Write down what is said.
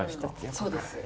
そうです。